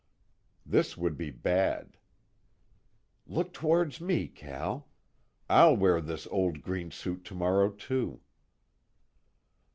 This would be bad. _Look towards me, Cal! I'll wear this old green suit tomorrow, too.